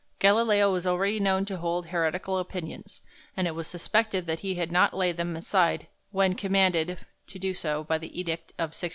Galileo was already known to hold heretical opinions, and it was suspected that he had not laid them aside when commanded to do so by the edict of 1616.